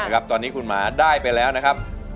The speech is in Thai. ครับตอนนี้คุณหมาได้ไปแล้วนะครับ